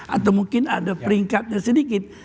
atau mungkin ada peringkatnya sedikit